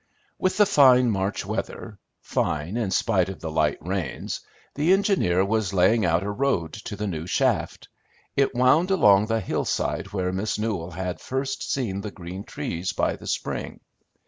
With the fine March weather fine in spite of the light rains the engineer was laying out a road to the new shaft; it wound along the hillside where Miss Newell had first seen the green trees, by the spring.